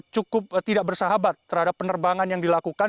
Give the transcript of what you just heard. cukup tidak bersahabat terhadap penerbangan yang dilakukan